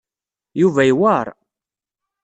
Yuba yewɛeṛ.